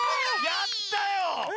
やったよね。